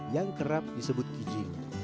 yang kerap disebut kijing